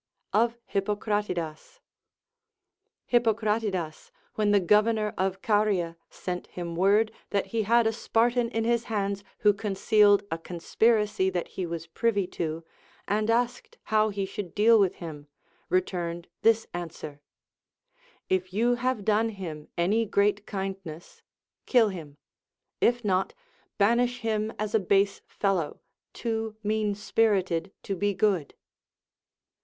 Of Hippocratidas. Hippocratidas, when the governor of Caria sent him word that he had a Spartan in his hands who concealed a conspiracy that he was privy to, and asked how he should deal with him, returned this answer : If you have done him any great kindness, kill him ; if not, banish him as a base fellow, too mean sphited to be good.